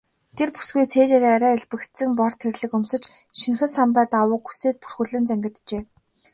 Тэр бүсгүй цээжээрээ арай элбэгдсэн бор тэрлэг өмсөж, шинэхэн самбай даавууг үсээ бүрхүүлэн зангиджээ.